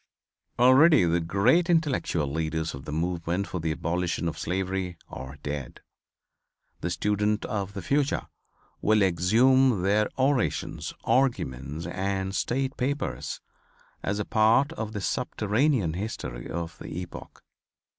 "Already the great intellectual leaders of the movement for the abolition of slavery are dead. The student of the future will exhume their orations, arguments and state papers, as a part of the subterranean history of the epoch.